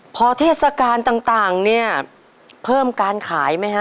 พอเทศกาลต่างเนี่ยเพิ่มการขายไหมฮะ